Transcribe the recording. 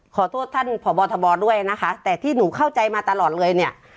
ขอโทษท่านพบทบด้วยนะคะแต่ที่หนูเข้าใจมาตลอดเลยเนี่ย